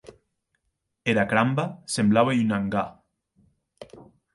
Era cramba semblaue un angar.